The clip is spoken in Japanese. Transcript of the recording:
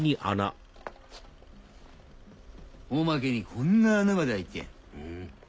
おまけにこんな穴まで開いてやんの。